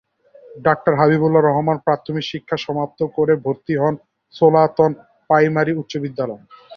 Doctor Habibur Rahman প্রাথমিক শিক্ষা সমাপ্ত করে ভর্তি হন সোনাতলা পাইলট উচ্চ বিদ্যালয়ে।